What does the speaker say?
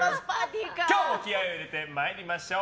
今日も気合を入れて参りましょう。